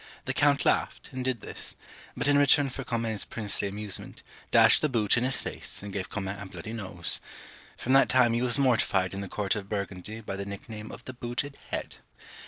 The count laughed, and did this; but in return for Comines's princely amusement, dashed the boot in his face, and gave Comines a bloody nose, From that time he was mortified in the court of Burgundy by the nickname of the booted head.